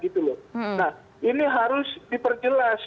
nah ini harus diperjelas